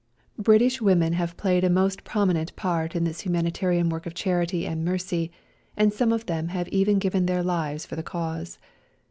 British women have played a vi INTRODUCTION most prominent part in this humanitarian work of charity and mercy, and some of them have even given their lives for the Cause.